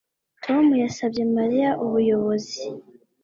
Tom yasabye Mariya ubuyobozi